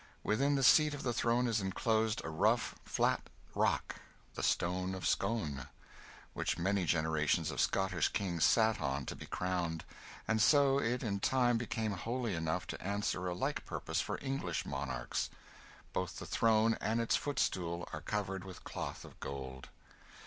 Within the seat of the throne is enclosed a rough flat rock the stone of Scone which many generations of Scottish kings sat on to be crowned, and so it in time became holy enough to answer a like purpose for English monarchs. Both the throne and its footstool are covered with cloth of gold.